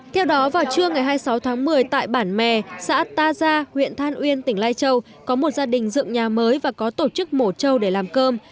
theo đó vào trưa ngày hai mươi sáu tháng một mươi tại bản mè xã ta gia huyện than uyên tỉnh lai châu có một gia đình dựng nhà mới và có tổ chức mổ trâu để làm cơm